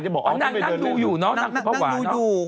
นางดูอยู่เนอะนางดูอยู่